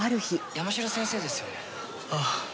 山城先生ですよね？